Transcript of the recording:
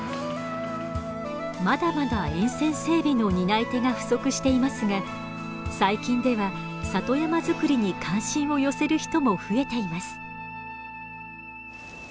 まだまだ沿線整備の担い手が不足していますが最近では里山づくりに関心を寄せる人も増えています。